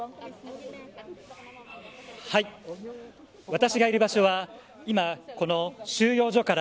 私がいる場所は今、この収容所から